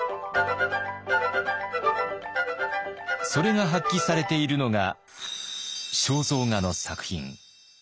それが発揮されているのが肖像画の作品。